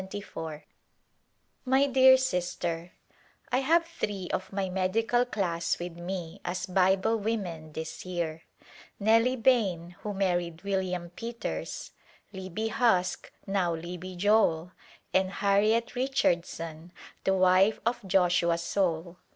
2g^ 1^74 ' My dear Sister : I have three of my medical class with me as Bible women this year, Nellie Bain, who married William Peters, Libbie Husk, now Libbie Joel, and Harriet Richardson, the wife of Joshua Soule.